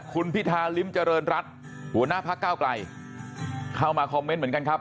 คุณพิธาริมเจริญรัฐหัวหน้าพักเก้าไกลเข้ามาคอมเมนต์เหมือนกันครับ